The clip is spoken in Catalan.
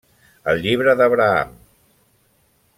El Llibre d'Abraham.